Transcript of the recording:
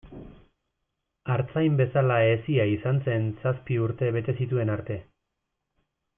Artzain bezala hezia izan zen zazpi urte bete zituen arte.